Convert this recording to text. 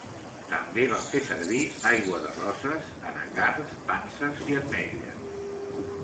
També van fer servir aigua de roses, anacards, panses i ametlles.